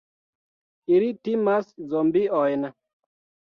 Ili timas zombiojn!